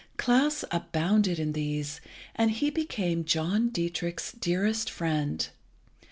Klas abounded in these, and he became John Dietrich's dearest friend.